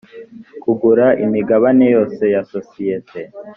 kugura imigabane yose ya sosiyete